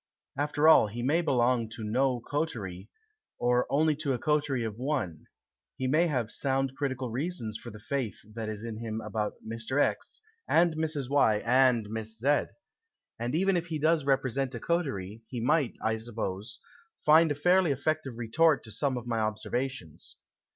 After all, he may belong to no coterie, or only to a coterie of one ; he may have sound critical reasons for the faith that is in him about Mr. X., and Mrs. Y., and Miss Z. And even if he does rei^resent a coterie, he might, I sup pose, find a fairly effective retort to some of my observations.